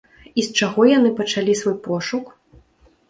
І з чаго яны пачалі свой пошук?